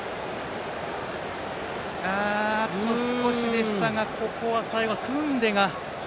あと少しでしたが最後はクンデが。